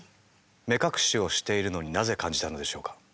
目隠しをしているのになぜ感じたのでしょうか？